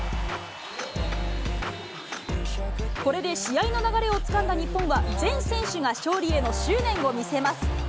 これで試合の流れをつかんだ日本は、全選手が勝利への執念を見せます。